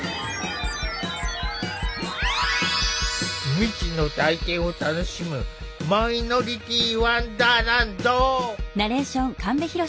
未知の体験を楽しむ「マイノリティーワンダーランド」！